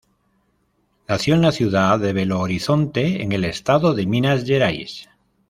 Nació en la ciudad de Belo Horizonte, en el estado de Minas Gerais.